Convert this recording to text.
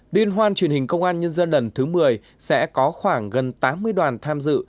liên hoan truyền hình công an nhân dân lần thứ một mươi sẽ có khoảng gần tám mươi đoàn tham dự